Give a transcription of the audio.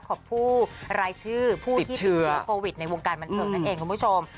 ของผู้รายชื่อผู้ที่ติดเชื้อโควิดในวงการบันเทิงนั่นเองคุณผู้ชม